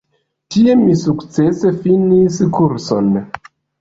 Tie mi sukcese finis kurson.